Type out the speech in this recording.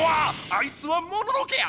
あいつはモノノ家や！